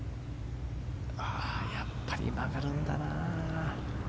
やっぱり、曲がるんだな。